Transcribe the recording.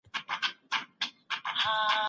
زه له دوو ساعتونو راهیسې په کمپیوټر کي یم.